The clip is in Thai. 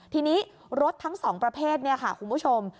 ทีนี้รถทั้ง๒ประเภทคุณผู้ชม